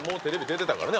出てたからね。